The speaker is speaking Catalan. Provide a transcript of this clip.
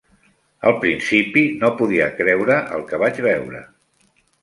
Al principi no podia creu el que vaig veure.